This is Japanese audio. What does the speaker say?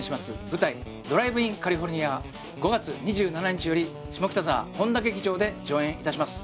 舞台「ドライブインカリフォルニア」５月２７日より下北沢本多劇場で上演いたします